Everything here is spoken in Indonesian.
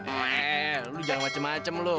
eh lu jangan macem macem lu